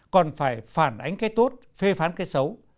còn phải phản ánh cái tốt phê phán cái xấu